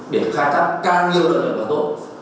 để khai sát càng nhiều lợi và tốt